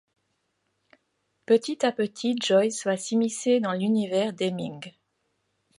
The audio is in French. Petit à petit Joyce va s'immiscer dans l'univers d'Hemming.